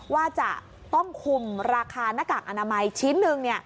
ว่าจะต้องคุมราคาหน้ากากอนามัยชิ้นหนึ่ง